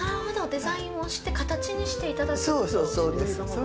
デザインをして形にしていただくということですね。